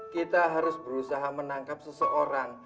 kita harus berusaha menangkap seseorang